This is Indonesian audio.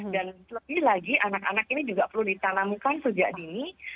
dan lebih lagi anak anak ini juga perlu ditanamkan sejak dini